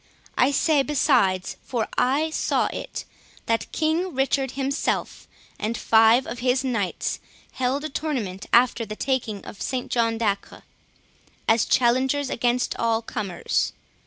I say besides, for I saw it, that King Richard himself, and five of his knights, held a tournament after the taking of St John de Acre, as challengers against all comers.